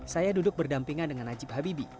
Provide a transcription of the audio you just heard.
saya duduk berdampingan dengan najib habibi